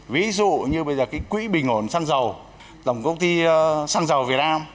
ví dụ như bây giờ cái quỹ bình ổn xăng dầu tổng công ty xăng dầu việt nam